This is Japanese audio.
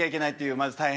まず大変さ。